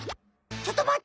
ちょっとまって！